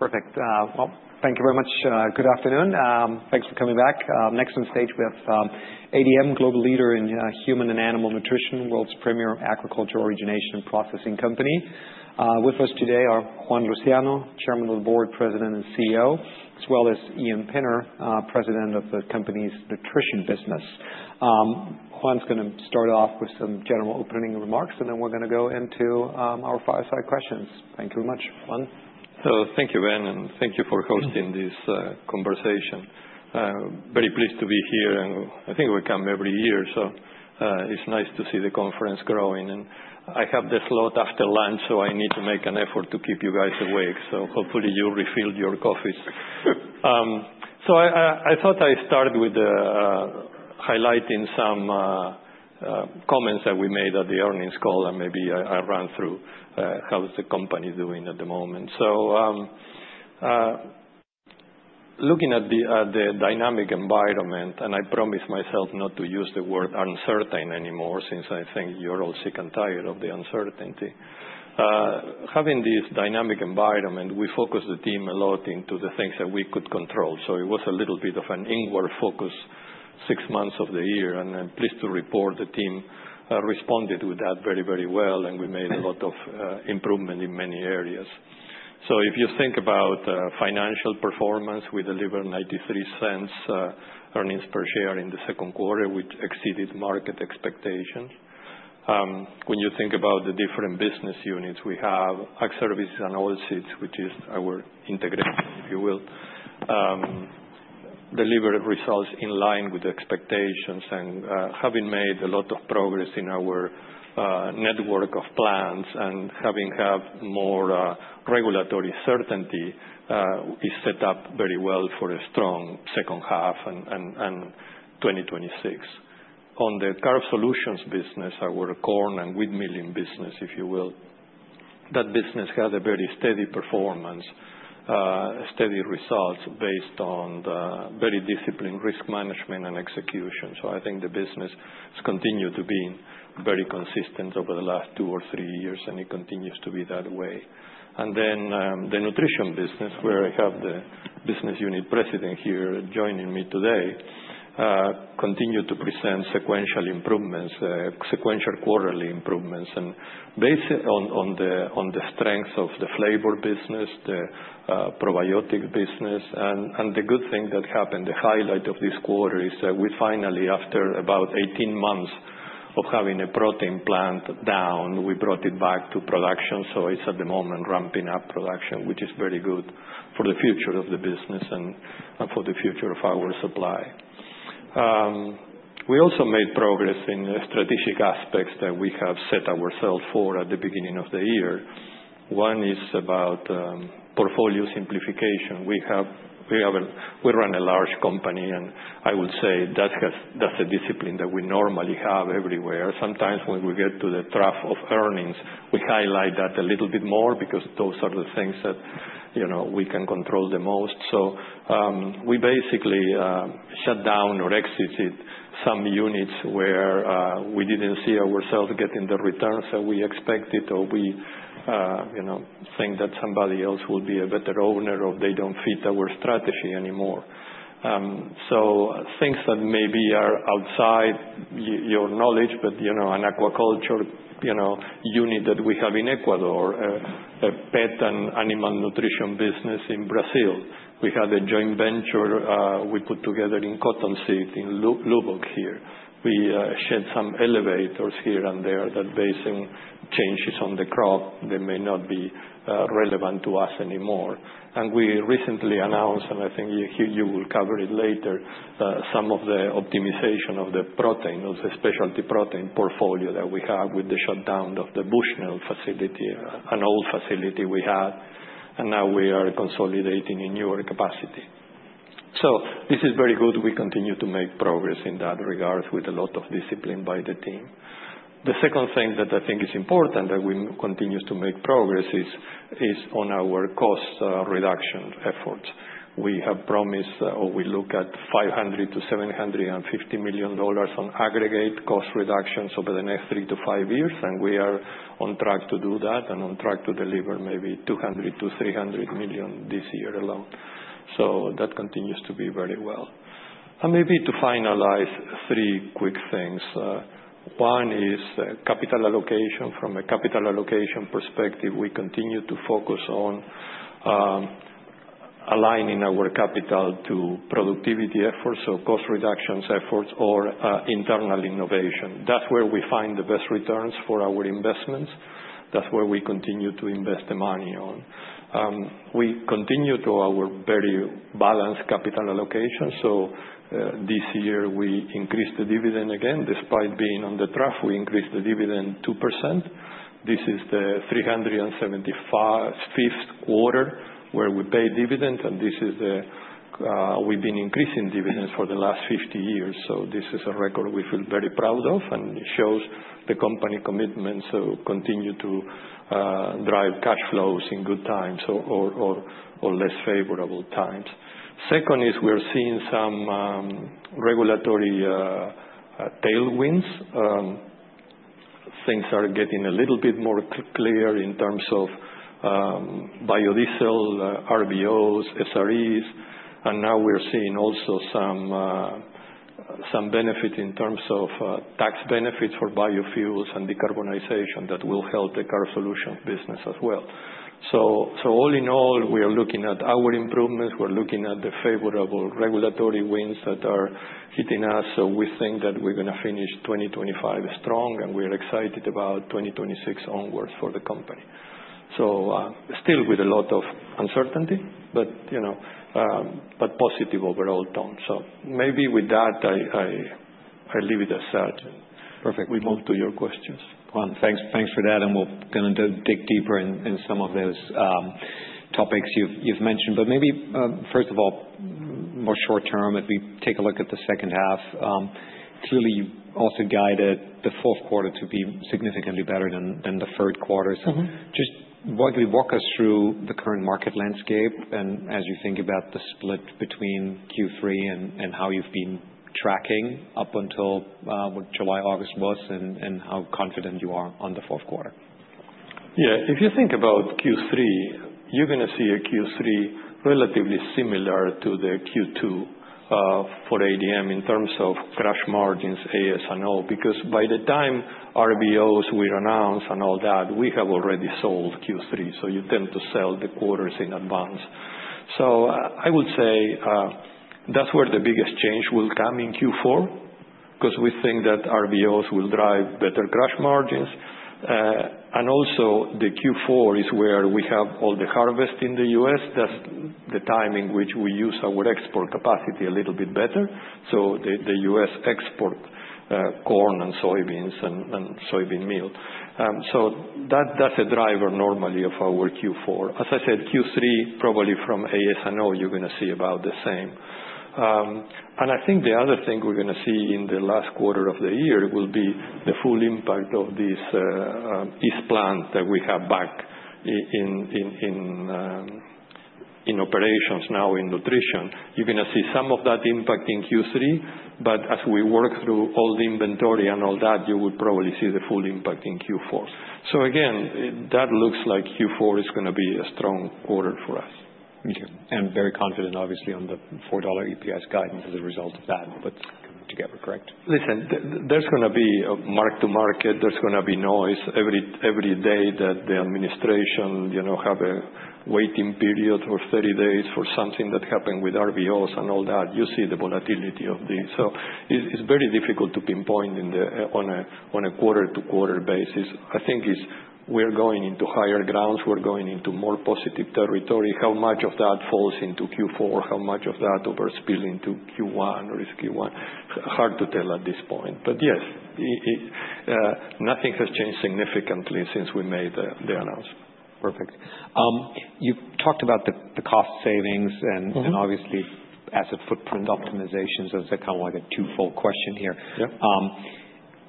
Perfect. Thank you very much. Good afternoon. Thanks for coming back. Next on stage, we have ADM, global leader in human and animal nutrition, world's premier agriculture origination and processing company. With us today are Juan Luciano, Chairman of the Board, President, and CEO, as well as Ian Pinner, President of the company's Nutrition business. Juan's going to start off with some general opening remarks, and then we're going to go into our fireside questions. Thank you very much, Juan. Thank you, Ben, and thank you for hosting this conversation. Very pleased to be here, and I think we come every year, so it's nice to see the conference growing. I have the slot after lunch, so I need to make an effort to keep you guys awake, so hopefully you refilled your coffees. I thought I'd start with highlighting some comments that we made at the earnings call, and maybe I'll run through how the company is doing at the moment. Looking at the dynamic environment, I promised myself not to use the word uncertain anymore since I think you're all sick and tired of the uncertainty. Having this dynamic environment, we focused the team a lot into the things that we could control. So it was a little bit of an inward focus six months of the year, and I'm pleased to report the team responded to that very, very well, and we made a lot of improvement in many areas. So if you think about financial performance, we delivered $0.93 earnings per share in the second quarter, which exceeded market expectations. When you think about the different business units we have, Ag Services & Oilseeds, which is our origination, if you will, delivered results in line with expectations, and having made a lot of progress in our network of plants and having had more regulatory certainty, we set up very well for a strong second half and 2026. On the Carbohydrate Solutions business, our corn and wheat milling business, if you will, that business had a very steady performance, steady results based on very disciplined risk management and execution. I think the business has continued to be very consistent over the last two or three years, and it continues to be that way. Then the Nutrition business, where I have the business unit president here joining me today, continued to present sequential improvements, sequential quarterly improvements, and based on the strengths of the flavor business, the probiotic business, and the good thing that happened, the highlight of this quarter is that we finally, after about 18 months of having a protein plant down, we brought it back to production. It's at the moment ramping up production, which is very good for the future of the business and for the future of our supply. We also made progress in strategic aspects that we have set ourselves for at the beginning of the year. One is about portfolio simplification. We run a large company, and I would say that's a discipline that we normally have everywhere. Sometimes when we get to the trough of earnings, we highlight that a little bit more because those are the things that we can control the most. So we basically shut down or exited some units where we didn't see ourselves getting the returns that we expected, or we think that somebody else would be a better owner, or they don't fit our strategy anymore. So things that maybe are outside your knowledge, but an aquaculture unit that we have in Ecuador, a pet and Animal Nutrition business in Brazil. We had a joint venture we put together in cottonseed, in Lubbock here. We shed some elevators here and there that, based on changes on the crop, they may not be relevant to us anymore. And we recently announced, and I think you will cover it later, some of the optimization of the protein, of the specialty protein portfolio that we have with the shutdown of the Bushnell facility, an old facility we had, and now we are consolidating a newer capacity. So this is very good. We continue to make progress in that regard with a lot of discipline by the team. The second thing that I think is important that we continue to make progress is on our cost reduction efforts. We have promised, or we look at $500-$750 million on aggregate cost reductions over the next three to five years, and we are on track to do that and on track to deliver maybe $200-$300 million this year alone. So that continues to be very well. And maybe to finalize three quick things. One is capital allocation. From a capital allocation perspective, we continue to focus on aligning our capital to productivity efforts, so cost reduction efforts or internal innovation. That's where we find the best returns for our investments. That's where we continue to invest the money on. We continue with our very balanced capital allocation. So this year we increased the dividend again. Despite being on the trough, we increased the dividend 2%. This is the 375th quarter where we pay dividends, and we've been increasing dividends for the last 50 years. So this is a record we feel very proud of, and it shows the company's commitment to continue to drive cash flows in good times or less favorable times. Second is we're seeing some regulatory tailwinds. Things are getting a little bit more clear in terms of biodiesel, RVOs, SREs, and now we're seeing also some benefits in terms of tax benefits for biofuels and decarbonization that will help the Carbohydrate Solutions business as well, so all in all, we are looking at our improvements. We're looking at the favorable regulatory winds that are hitting us, so we think that we're going to finish 2025 strong, and we are excited about 2026 onwards for the company, so still with a lot of uncertainty, but positive overall tone, so maybe with that, I leave it as such. Perfect. We move to your questions. Juan, thanks for that. And we're going to dig deeper in some of those topics you've mentioned. But maybe first of all, more short term, if we take a look at the second half, clearly you also guided the fourth quarter to be significantly better than the third quarter. So just walk us through the current market landscape and as you think about the split between Q3 and how you've been tracking up until what July, August was and how confident you are on the fourth quarter. Yeah. If you think about Q3, you're going to see a Q3 relatively similar to the Q2 for ADM in terms of crush margins, Ag Services and Oil, because by the time RVOs were announced and all that, we have already sold Q3. So you tend to sell the quarters in advance. So I would say that's where the biggest change will come in Q4 because we think that RVOs will drive better crush margins. And also the Q4 is where we have all the harvest in the U.S. That's the time in which we use our export capacity a little bit better. So the U.S. export corn and soybeans and soybean meal. So that's a driver normally of our Q4. As I said, Q3, probably from Ag Services and Oil, you're going to see about the same. And I think the other thing we're going to see in the last quarter of the year will be the full impact of this East plant that we have back in operations now in Nutrition. You're going to see some of that impact in Q3, but as we work through all the inventory and all that, you will probably see the full impact in Q4. So again, that looks like Q4 is going to be a strong quarter for us. Okay. And very confident, obviously, on the $4 EPS guidance as a result of that. That's coming together, correct? Listen, there's going to be a mark to market. There's going to be noise. Every day that the administration have a waiting period for 30 days for something that happened with RVOs and all that, you see the volatility of these. So it's very difficult to pinpoint on a quarter to quarter basis. I think we're going into higher grounds. We're going into more positive territory. How much of that falls into Q4? How much of that overspill into Q1 or is Q1? Hard to tell at this point. But yes, nothing has changed significantly since we made the announcement. Perfect. You talked about the cost savings and obviously asset footprint optimizations. That's kind of like a twofold question here.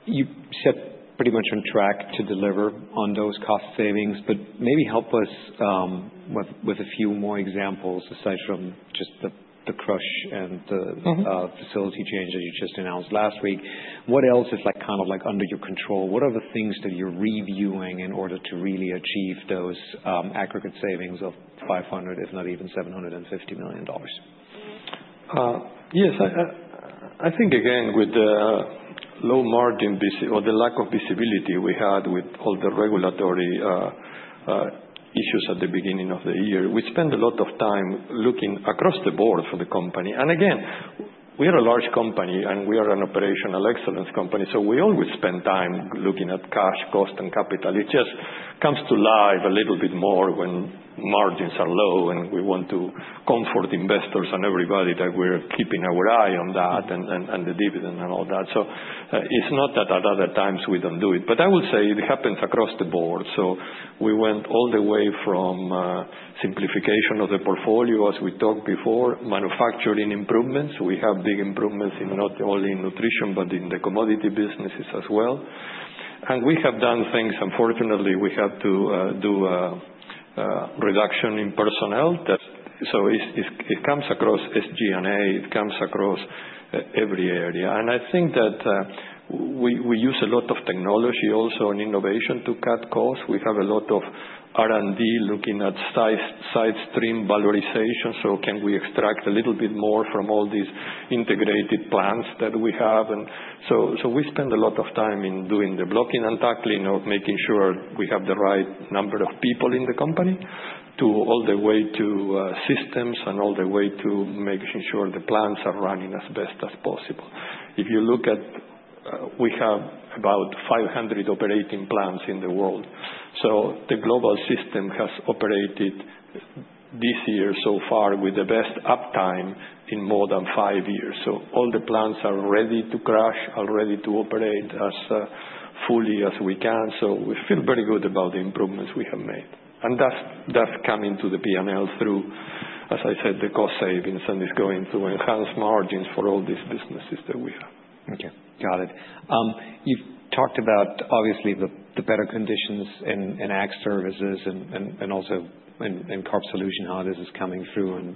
You said pretty much on track to deliver on those cost savings, but maybe help us with a few more examples aside from just the crush and the facility change that you just announced last week. What else is kind of under your control? What are the things that you're reviewing in order to really achieve those aggregate savings of $500, if not even $750 million? Yes. I think again with the low margin or the lack of visibility we had with all the regulatory issues at the beginning of the year, we spent a lot of time looking across the board for the company, and again, we are a large company and we are an operational excellence company, so we always spend time looking at cash, cost, and capital. It just comes to life a little bit more when margins are low and we want to comfort investors and everybody that we're keeping our eye on that and the dividend and all that, so it's not that at other times we don't do it, but I would say it happens across the board, so we went all the way from simplification of the portfolio, as we talked before, manufacturing improvements. We have big improvements not only in Nutrition, but in the commodity businesses as well. And we have done things. Unfortunately, we had to do a reduction in personnel. So it comes across SG&A. It comes across every area. And I think that we use a lot of technology also and innovation to cut costs. We have a lot of R&D looking at side-stream valorization. So can we extract a little bit more from all these integrated plants that we have? And so we spend a lot of time in doing the blocking and tackling of making sure we have the right number of people in the company all the way to systems and all the way to making sure the plants are running as best as possible. If you look at, we have about 500 operating plants in the world. So the global system has operated this year so far with the best uptime in more than five years. All the plants are ready to crush and are ready to operate as fully as we can. We feel very good about the improvements we have made. That's coming to the P&L through, as I said, the cost savings, and it's going through enhanced margins for all these businesses that we have. Okay. Got it. You've talked about, obviously, the better conditions in Ag Services and also in Carbohydrate Solutions, how this is coming through. And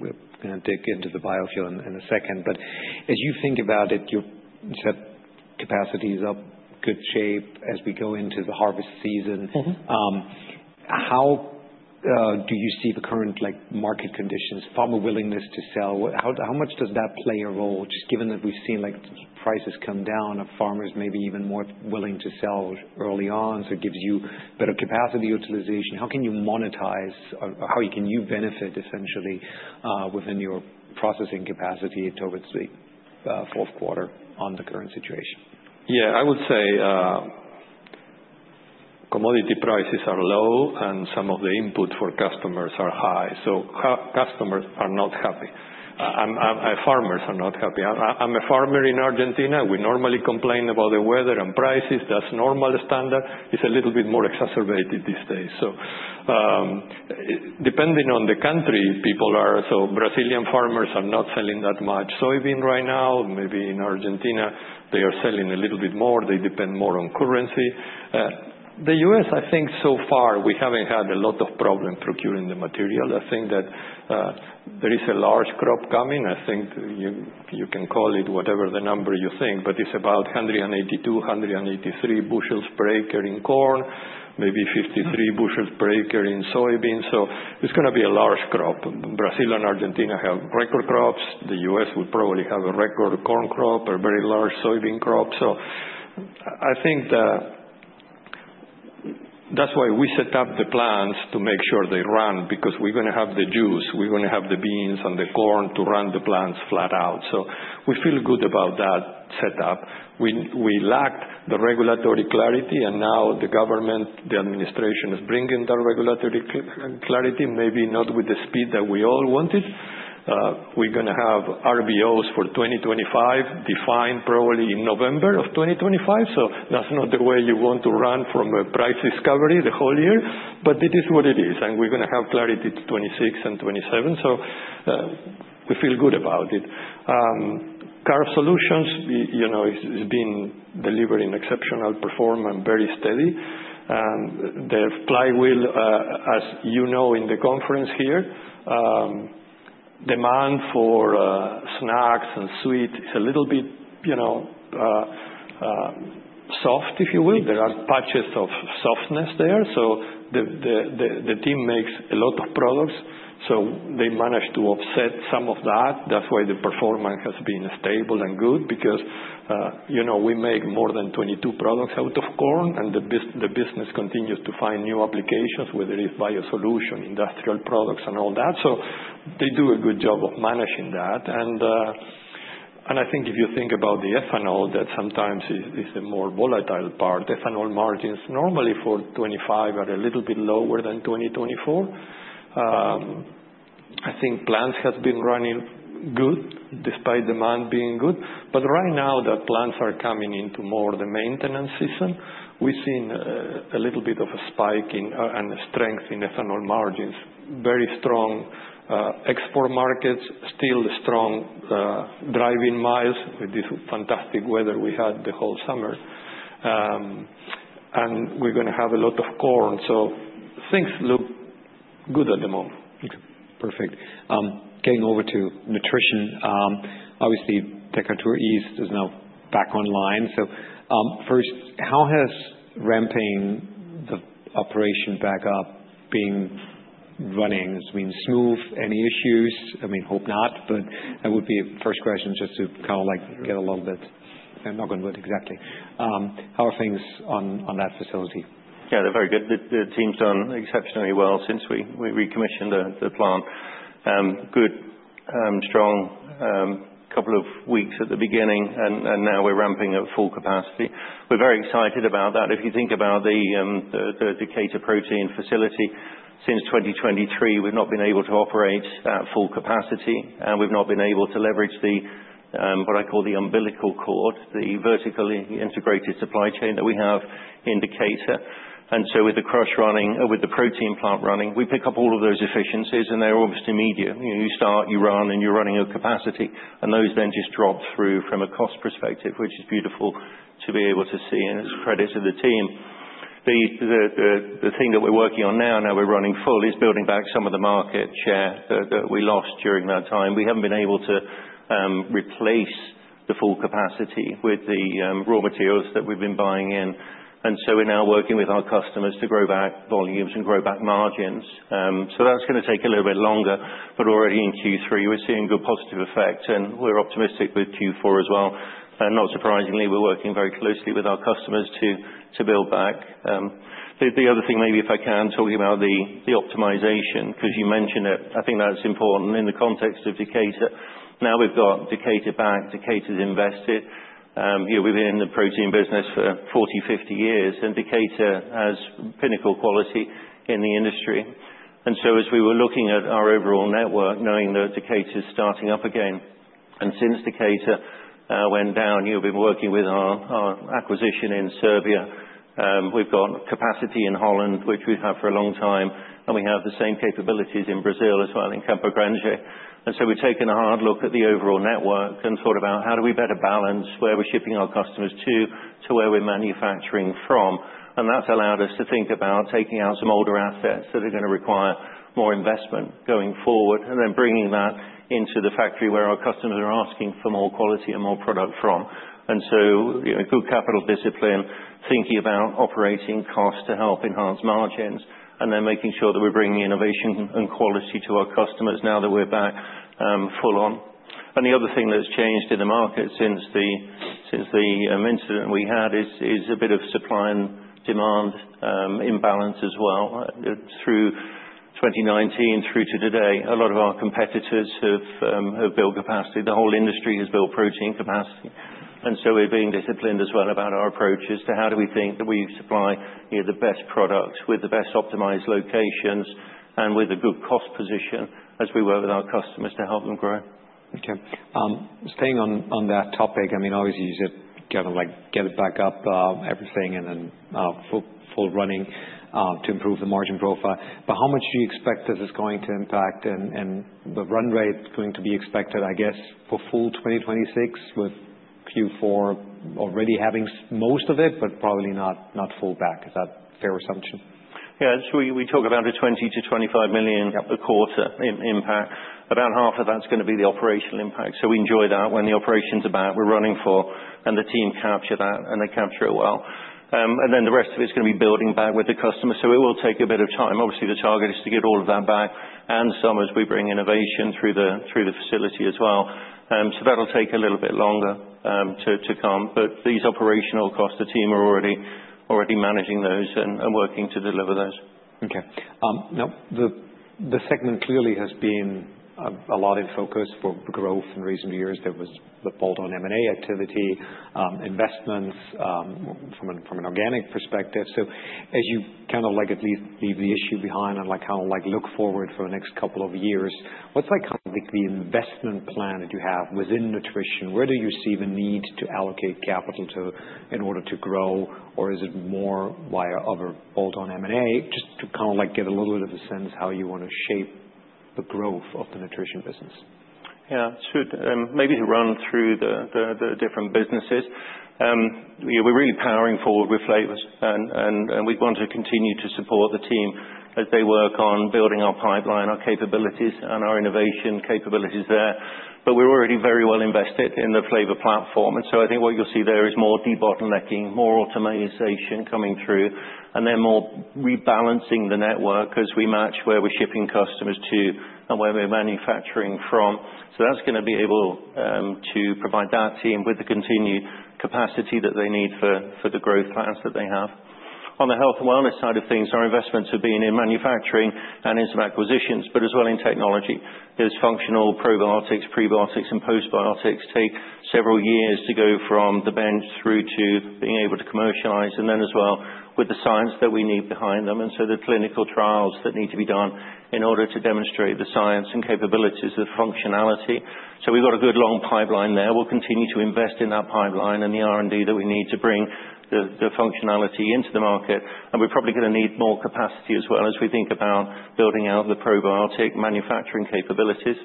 we're going to dig into the biofuel in a second. But as you think about it, you said capacity is up, good shape as we go into the harvest season. How do you see the current market conditions, farmer willingness to sell? How much does that play a role? Just given that we've seen prices come down, farmers maybe even more willing to sell early on, so it gives you better capacity utilization. How can you monetize? How can you benefit essentially within your processing capacity towards the fourth quarter on the current situation? Yeah. I would say commodity prices are low and some of the input for customers are high. So customers are not happy. Farmers are not happy. I'm a farmer in Argentina. We normally complain about the weather and prices. That's normal. The standard is a little bit more exacerbated these days. So depending on the country, people are, so Brazilian farmers are not selling that much soybean right now. Maybe in Argentina, they are selling a little bit more. They depend more on currency. The U.S., I think so far, we haven't had a lot of problem procuring the material. I think that there is a large crop coming. I think you can call it whatever the number you think, but it's about 182, 183 bushels per acre in corn, maybe 53 bushels per acre in soybean. So it's going to be a large crop. Brazil and Argentina have record crops. The U.S. will probably have a record corn crop, a very large soybean crop. So I think that's why we set up the plants to make sure they run because we're going to have the juice. We're going to have the beans and the corn to run the plants flat out. So we feel good about that setup. We lacked the regulatory clarity, and now the government, the administration is bringing that regulatory clarity, maybe not with the speed that we all wanted. We're going to have RVOs for 2025 defined probably in November of 2025. So that's not the way you want to run from a price discovery the whole year, but it is what it is. And we're going to have clarity to 2026 and 2027. So we feel good about it. Carbohydrate Solutions has been delivering exceptional performance, very steady. The flywheel, as you know in the conference here, demand for snacks and sweets is a little bit soft, if you will. There are patches of softness there. So the team makes a lot of products. So they managed to offset some of that. That's why the performance has been stable and good because we make more than 22 products out of corn, and the business continues to find new applications, whether it's BioSolutions, industrial products, and all that. So they do a good job of managing that. And I think if you think about the ethanol, that sometimes is the more volatile part. Ethanol margins normally for 2025 are a little bit lower than 2024. I think plants have been running good despite demand being good. Right now the plants are coming into more of the maintenance season. We've seen a little bit of a spike in strength in ethanol margins. Very strong export markets. Still strong driving miles with this fantastic weather we had the whole summer. We're going to have a lot of corn. Things look good at the moment. Okay. Perfect. Getting over to Nutrition. Obviously, Decatur East is now back online. So first, how has ramping the operation back up been running? It's been smooth? Any issues? I mean, hope not, but that would be a first question just to kind of get a little bit knock on wood exactly. How are things on that facility? Yeah, they're very good. The team's done exceptionally well since we recommissioned the plant. Good, strong couple of weeks at the beginning, and now we're ramping at full capacity. We're very excited about that. If you think about the Decatur protein facility, since 2023, we've not been able to operate at full capacity, and we've not been able to leverage what I call the umbilical cord, the vertically integrated supply chain that we have in Decatur. And so with the crush running, with the protein plant running, we pick up all of those efficiencies, and they're almost immediate. You start, you run, and you're running at capacity. And those then just drop through from a cost perspective, which is beautiful to be able to see. And it's a credit to the team. The thing that we're working on now, now we're running full, is building back some of the market share that we lost during that time. We haven't been able to replace the full capacity with the raw materials that we've been buying in. And so we're now working with our customers to grow back volumes and grow back margins. So that's going to take a little bit longer, but already in Q3, we're seeing good positive effects, and we're optimistic with Q4 as well. And not surprisingly, we're working very closely with our customers to build back. The other thing, maybe if I can, talking about the optimization, because you mentioned it, I think that's important in the context of Decatur. Now we've got Decatur back, Decatur's invested. We've been in the protein business for 40, 50 years, and Decatur has pinnacle quality in the industry. As we were looking at our overall network, knowing that Decatur's starting up again, and since Decatur went down, we've been working with our acquisition in Serbia. We've got capacity in Holland, which we've had for a long time, and we have the same capabilities in Brazil as well in Campo Grande. We've taken a hard look at the overall network and thought about how do we better balance where we're shipping our customers to, to where we're manufacturing from. That's allowed us to think about taking out some older assets that are going to require more investment going forward, and then bringing that into the factory where our customers are asking for more quality and more product from. And so good capital discipline, thinking about operating costs to help enhance margins, and then making sure that we're bringing innovation and quality to our customers now that we're back full on. And the other thing that's changed in the market since the incident we had is a bit of supply and demand imbalance as well. Through 2019, through to today, a lot of our competitors have built capacity. The whole industry has built protein capacity. And so we're being disciplined as well about our approaches to how do we think that we supply the best products with the best optimized locations and with a good cost position as we work with our customers to help them grow. Okay. Staying on that topic, I mean, obviously you said get it back up, everything, and then full running to improve the margin profile. But how much do you expect this is going to impact and the run rate going to be expected, I guess, for full 2026 with Q4 already having most of it, but probably not full back? Is that a fair assumption? Yeah. So we talk about a $20 million-$25 million a quarter impact. About half of that's going to be the operational impact. So we enjoy that when the operations are back, we're running full, and the team capture that, and they capture it well. And then the rest of it's going to be building back with the customer. So it will take a bit of time. Obviously, the target is to get all of that back and some as we bring innovation through the facility as well. So that'll take a little bit longer to come. But these operational costs, the team are already managing those and working to deliver those. Okay. Now, the segment clearly has been a lot in focus for growth in recent years. There was the bolt-on M&A activity, investments from an organic perspective. So as you kind of at least leave the issue behind and kind of look forward for the next couple of years, what's the investment plan that you have within Nutrition? Where do you see the need to allocate capital in order to grow, or is it more via other bolt-on M&A? Just to kind of get a little bit of a sense how you want to shape the growth of the Nutrition business. Yeah. Shoot. Maybe to run through the different businesses. We're really powering forward with flavors, and we want to continue to support the team as they work on building our pipeline, our capabilities, and our innovation capabilities there. But we're already very well invested in the flavor platform. And so I think what you'll see there is more debottlenecking, more automation coming through, and then more rebalancing the network as we match where we're shipping customers to and where we're manufacturing from. So that's going to be able to provide that team with the continued capacity that they need for the growth plans that they have. On the health and wellness side of things, our investments have been in manufacturing and in some acquisitions, but as well in technology. There's functional probiotics, prebiotics, and postbiotics. It takes several years to go from the bench through to being able to commercialize and then as well with the science that we need behind them, and so the clinical trials that need to be done in order to demonstrate the science and capabilities of functionality, so we've got a good long pipeline there. We'll continue to invest in that pipeline and the R&D that we need to bring the functionality into the market, and we're probably going to need more capacity as well as we think about building out the probiotic manufacturing capabilities.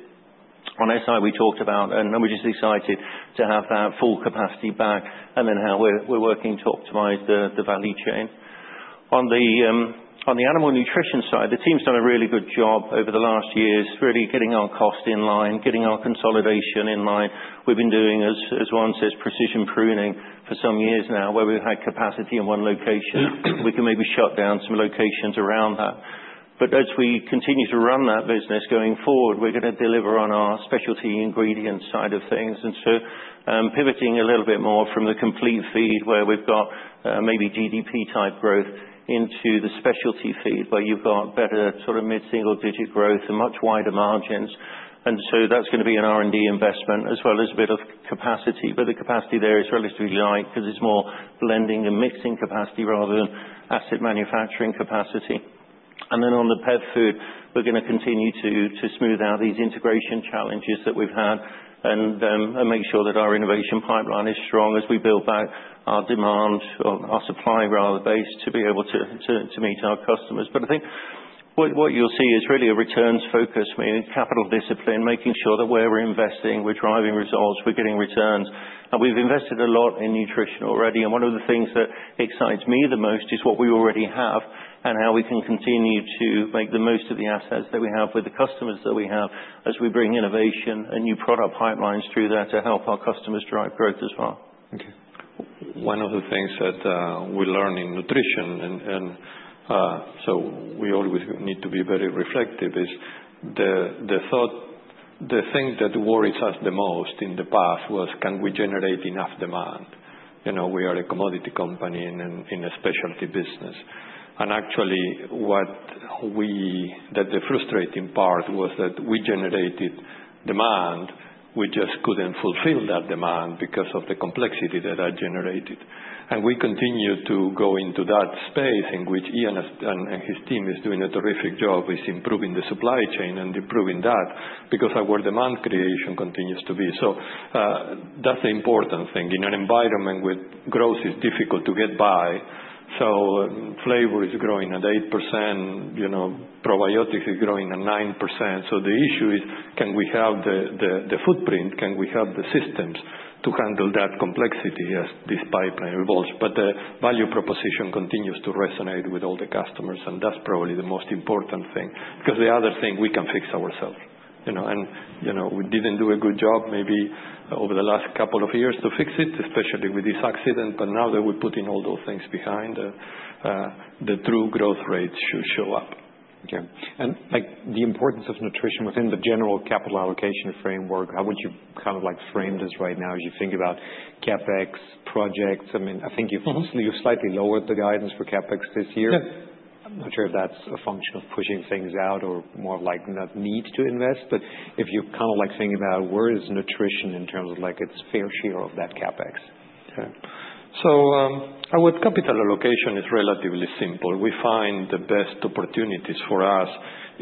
On SI, we talked about, and we're just excited to have that full capacity back and then how we're working to optimize the value chain. On the Animal Nutrition side, the team's done a really good job over the last years, really getting our cost in line, getting our consolidation in line. We've been doing, as Juan says, precision pruning for some years now, where we've had capacity in one location. We can maybe shut down some locations around that, but as we continue to run that business going forward, we're going to deliver on our specialty ingredients side of things, and so pivoting a little bit more from the complete feed where we've got maybe GDP-type growth into the specialty feed where you've got better sort of mid-single digit growth and much wider margins, and so that's going to be an R&D investment as well as a bit of capacity. But the capacity there is relatively light because it's more blending and mixing capacity rather than asset manufacturing capacity. And then on the pet food, we're going to continue to smooth out these integration challenges that we've had and make sure that our innovation pipeline is strong as we build back our demand or our supply rather base to be able to meet our customers. But I think what you'll see is really a returns focus, capital discipline, making sure that where we're investing, we're driving results, we're getting returns. And we've invested a lot in Nutrition already. And one of the things that excites me the most is what we already have and how we can continue to make the most of the assets that we have with the customers that we have as we bring innovation and new product pipelines through there to help our customers drive growth as well. Okay. One of the things that we learn in Nutrition, and so we always need to be very reflective, is the thing that worries us the most in the past was, can we generate enough demand? We are a commodity company in a specialty business, and actually, the frustrating part was that we generated demand. We just couldn't fulfill that demand because of the complexity that that generated, and we continue to go into that space in which Ian and his team are doing a terrific job, is improving the supply chain and improving that because our demand creation continues to be, so that's the important thing. In an environment with growth, it's difficult to get by, so flavor is growing at 8%. Probiotics are growing at 9%, so the issue is, can we have the footprint? Can we have the systems to handle that complexity as this pipeline evolves? But the value proposition continues to resonate with all the customers, and that's probably the most important thing because the other thing we can fix ourselves. And we didn't do a good job maybe over the last couple of years to fix it, especially with this accident, but now that we're putting all those things behind, the true growth rate should show up. Okay. And the importance of Nutrition within the general capital allocation framework, how would you kind of frame this right now as you think about CapEx projects? I mean, I think you've slightly lowered the guidance for CapEx this year. I'm not sure if that's a function of pushing things out or more of like the need to invest, but if you're kind of thinking about where is Nutrition in terms of its fair share of that CapEx? Okay. So with capital allocation, it's relatively simple. We find the best opportunities for us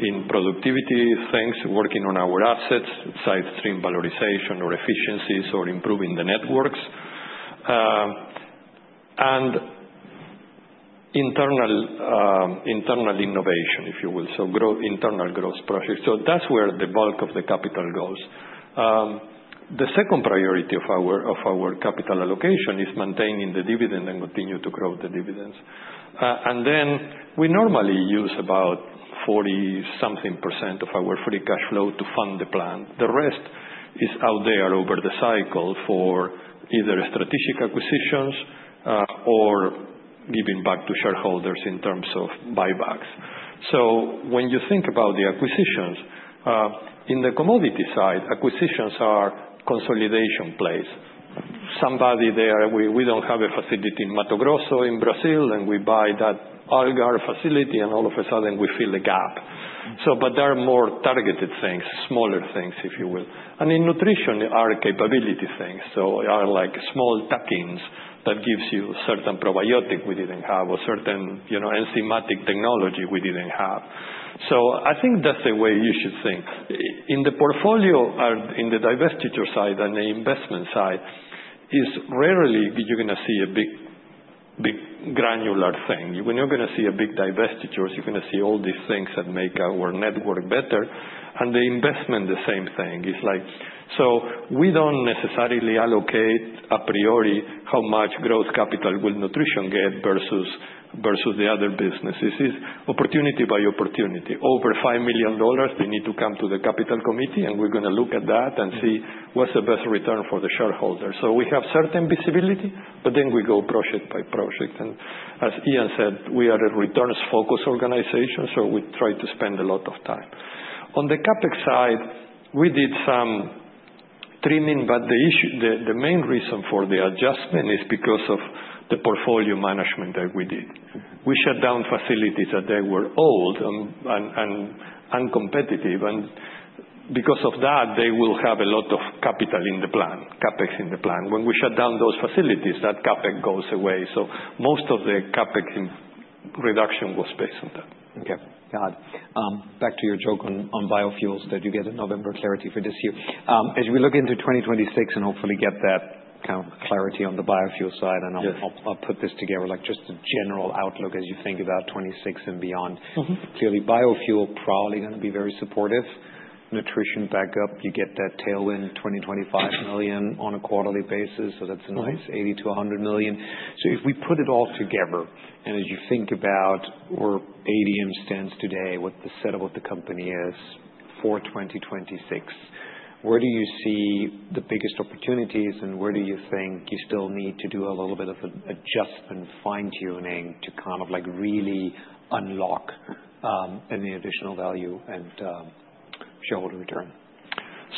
in productivity things, working on our assets, side-stream valorization or efficiencies or improving the networks, and internal innovation, if you will, so internal growth projects. So that's where the bulk of the capital goes. The second priority of our capital allocation is maintaining the dividend and continue to grow the dividends. And then we normally use about 40-something% of our free cash flow to fund the plan. The rest is out there over the cycle for either strategic acquisitions or giving back to shareholders in terms of buybacks. So when you think about the acquisitions, in the commodity side, acquisitions are consolidation plays. Somebody there, we don't have a facility in Mato Grosso in Brazil, and we buy that Algar facility, and all of a sudden, we fill the gap. But there are more targeted things, smaller things, if you will. And in Nutrition, there are capability things. So there are small tuck-ins that give you a certain probiotic we didn't have or certain enzymatic technology we didn't have. So I think that's the way you should think. In the portfolio, in the divestiture side and the investment side, is rarely you're going to see a big granular thing. You're not going to see a big divestiture. You're going to see all these things that make our network better. And the investment, the same thing. So we don't necessarily allocate a priori how much growth capital will Nutrition get versus the other businesses. It's opportunity by opportunity. Over $5 million, they need to come to the Capital Committee, and we're going to look at that and see what's the best return for the shareholders. So we have certain visibility, but then we go project by project. And as Ian said, we are a returns-focused organization, so we try to spend a lot of time. On the CapEx side, we did some trimming, but the main reason for the adjustment is because of the portfolio management that we did. We shut down facilities that were old and uncompetitive. And because of that, they will have a lot of capital in the plan, CapEx in the plan. When we shut down those facilities, that CapEx goes away. So most of the CapEx reduction was based on that. Okay. Got it. Back to your joke on biofuels that you get in November clarity for this year. As we look into 2026 and hopefully get that kind of clarity on the biofuel side, and I'll put this together like just the general outlook as you think about 2026 and beyond. Clearly, biofuel is probably going to be very supportive. Nutrition backup, you get that tailwind, $20-$25 million on a quarterly basis. So that's a nice $80-$100 million. So if we put it all together, and as you think about where ADM stands today, what the setup of the company is for 2026, where do you see the biggest opportunities, and where do you think you still need to do a little bit of adjustment fine-tuning to kind of really unlock any additional value and shareholder return?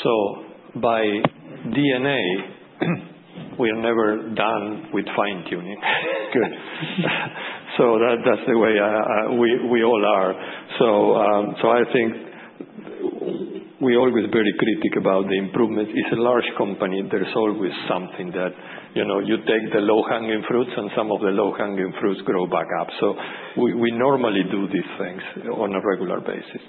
So by DNA, we are never done with fine-tuning. So that's the way we all are. So I think we're always very critical about the improvements. It's a large company. There's always something that you take the low-hanging fruits, and some of the low-hanging fruits grow back up. So we normally do these things on a regular basis.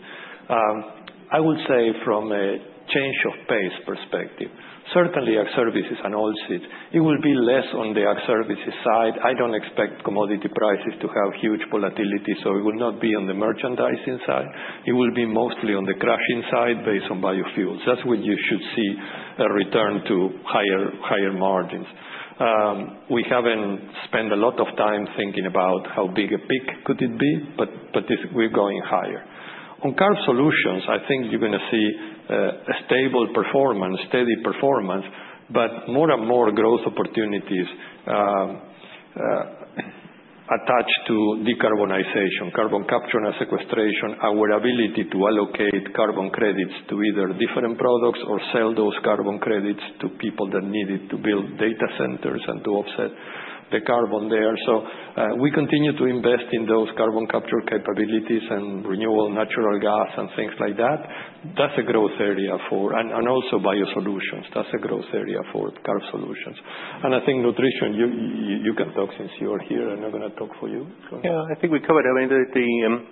I would say from a change of pace perspective, certainly our Ag Services & Oilseeds, it will be less on the services side. I don't expect commodity prices to have huge volatility, so it will not be on the merchandising side. It will be mostly on the crushing side based on biofuels. That's where you should see a return to higher margins. We haven't spent a lot of time thinking about how big a peak could it be, but we're going higher. On Carb Solutions, I think you're going to see a stable performance, steady performance, but more and more growth opportunities attached to decarbonization, carbon capture and sequestration, our ability to allocate carbon credits to either different products or sell those carbon credits to people that need it to build data centers and to offset the carbon there. So we continue to invest in those carbon capture capabilities and renewable natural gas and things like that. That's a growth area for, and also BioSolutions. That's a growth area for Carb Solutions. And I think Nutrition, you can talk since you are here. I'm not going to talk for you. Yeah. I think we covered everything.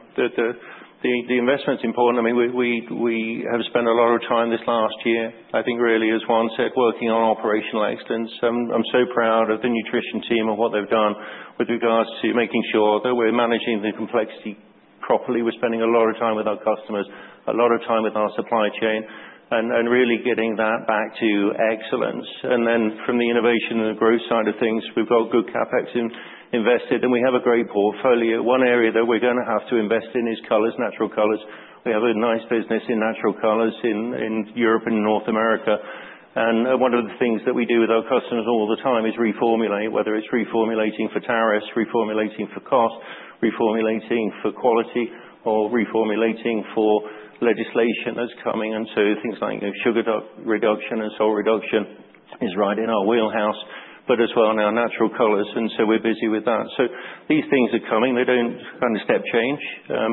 The investment's important. I mean, we have spent a lot of time this last year, I think really, as Juan said, working on operational excellence. I'm so proud of the Nutrition team and what they've done with regards to making sure that we're managing the complexity properly. We're spending a lot of time with our customers, a lot of time with our supply chain, and really getting that back to excellence. And then from the innovation and the growth side of things, we've got good CapEx invested, and we have a great portfolio. One area that we're going to have to invest in is colors, natural colors. We have a nice business in natural colors in Europe and North America. And one of the things that we do with our customers all the time is reformulate, whether it's reformulating for tariffs, reformulating for cost, reformulating for quality, or reformulating for legislation that's coming. And so things like sugar reduction and salt reduction are right in our wheelhouse, but as well in our natural colors. And so we're busy with that. So these things are coming. They don't kind of step change,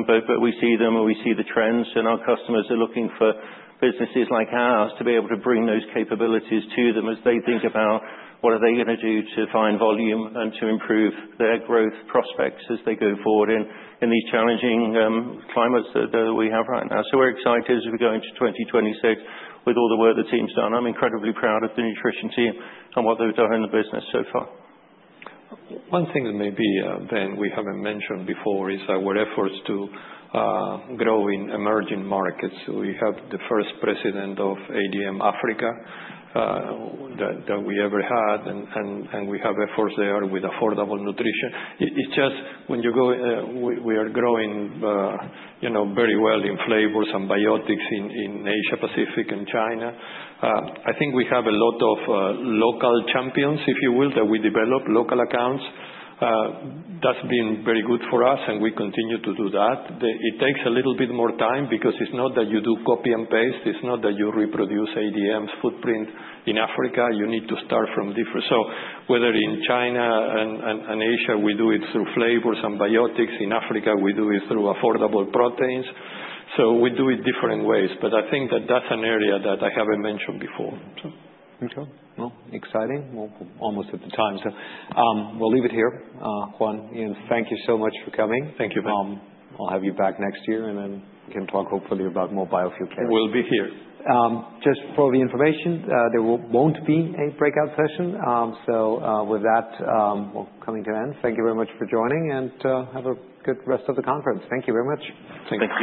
but we see them and we see the trends. And our customers are looking for businesses like ours to be able to bring those capabilities to them as they think about what are they going to do to find volume and to improve their growth prospects as they go forward in these challenging climates that we have right now. So we're excited as we go into 2026 with all the work the team's done. I'm incredibly proud of the Nutrition team and what they've done in the business so far. One thing that maybe, Ben, we haven't mentioned before is our efforts to grow in emerging markets. We have the first president of ADM Africa that we ever had, and we have efforts there with affordable nutrition. It's just when you go, we are growing very well in flavors and biotics in Asia-Pacific and China. I think we have a lot of local champions, if you will, that we develop local accounts. That's been very good for us, and we continue to do that. It takes a little bit more time because it's not that you do copy and paste. It's not that you reproduce ADM's footprint in Africa. You need to start from different. So whether in China and Asia, we do it through flavors and biotics. In Africa, we do it through affordable proteins. So we do it different ways. But I think that that's an area that I haven't mentioned before. Okay, well, exciting. We're almost at the time, so we'll leave it here. Juan, Ian, thank you so much for coming. Thank you, Ben. I'll have you back next year, and then we can talk hopefully about more biofuel CapEx. We'll be here. Just for the information, there won't be a breakout session. So with that, we're coming to an end. Thank you very much for joining, and have a good rest of the conference. Thank you very much. Thank you.